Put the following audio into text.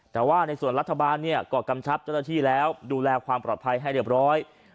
แต่ว่าในส่วนรัฐบาลเนี่ยก็กำชับเจ้าหน้าที่แล้วดูแลความปลอดภัยให้เรียบร้อย